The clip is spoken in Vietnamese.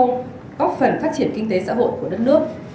góp phần phát triển kinh tế xã hội của đất nước